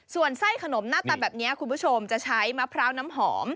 ส่วนไส้ขนมหน้าตาแบบนี้คุณผู้ชมจะใช้มะพร้าวน้ำหอม